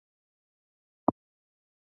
زه د جرم دفاع نه کوم.